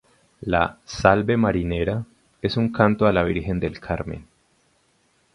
La "Salve Marinera" es un canto a la Virgen del Carmen.